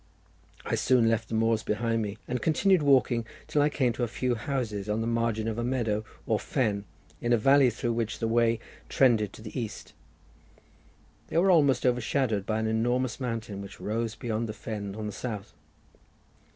I soon left the moors behind me, and continued walking till I came to a few houses on the margin of a meadow or fen in a valley, through which the way trended to the east. They were almost overshadowed by an enormous mountain, which rose beyond the fen on the south.